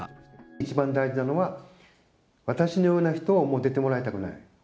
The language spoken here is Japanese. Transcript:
一番大事なのは、私のような人がもう出てもらいたくない。